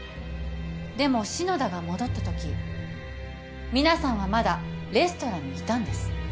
でも篠田が戻ったとき皆さんはまだレストランにいたんです。